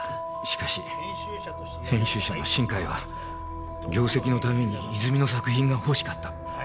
しかし編集者の新海は業績のために泉水の作品が欲しかった。